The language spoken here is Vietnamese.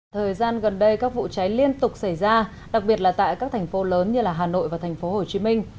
thời gian gần đây các vụ cháy liên tục xảy ra đặc biệt là tại các thành phố lớn như hà nội và thành phố hồ chí minh